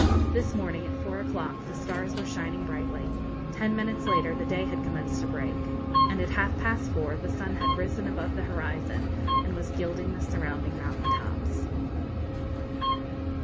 This morning, at four o'clock, the stars were shining brightly; ten minutes later the day had commenced to break; and at half past four the sun had risen above the horizon, and was gilding the surrounding mountain tops.